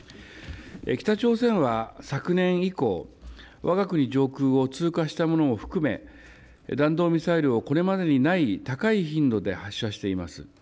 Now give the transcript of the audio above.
北朝鮮は昨年以降、わが国上空を通過したものを含め、弾道ミサイルをこれまでにない高い頻度で発射しています。